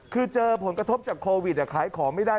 คือเจอผลกระทบจากโควิดขายของไม่ได้